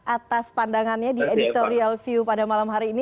atas pandangannya di editorial view pada malam hari ini